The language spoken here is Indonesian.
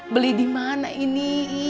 beli dimana ini